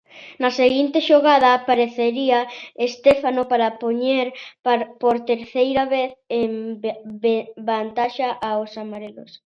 Na seguinte xogada aparecía Estéfano para poñer por terceira vez en vantaxe aos amarelos.